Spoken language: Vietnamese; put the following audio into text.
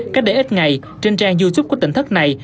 cách đây ít ngày trên trang youtube của tỉnh thất này